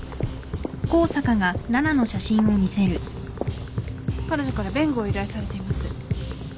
彼女から弁護を依頼されています。